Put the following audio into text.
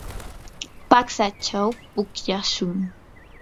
patsachaw pukllashun.